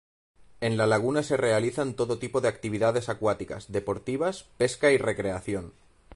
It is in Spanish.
En la laguna se realizan todo tipo de actividades acuáticas, deportivas, pesca y recreación.